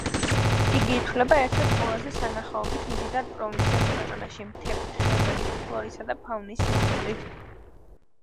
იგი ითვლება ერთ-ერთ ყველაზე სანახაობით მდიდარ პროვინციად ქვეყანაში: მთებით, ხეობებით, ფლორისა და ფაუნის სიმდიდრით.